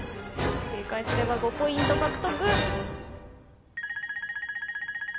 正解すれば５ポイント獲得。